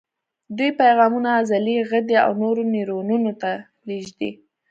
دوی پیغامونه عضلې، غدې او نورو نیورونونو ته لېږدوي.